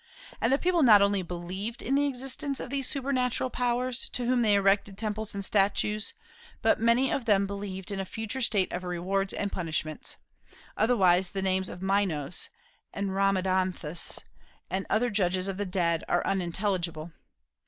And the people not only believed in the existence of these supernatural powers, to whom they erected temples and statues, but many of them believed in a future state of rewards and punishments, otherwise the names of Minos and Rhadamanthus and other judges of the dead are unintelligible.